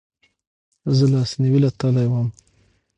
زه لاسنیوې له تلی وم